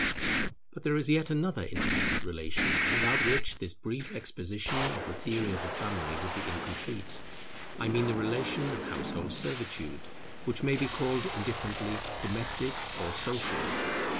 But there is yet another intermediate relation, without which this brief exposition of the theory of the family would be incomplete; I mean the relation of household servitude, which may be called indifferently domestic or social.